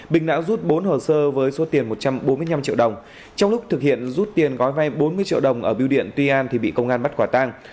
bình đã rút bốn hồ sơ với số tiền một trăm bốn mươi năm triệu đồng trong lúc thực hiện rút tiền gói vay bốn mươi triệu đồng ở biêu điện tuy an thì bị công an bắt quả tang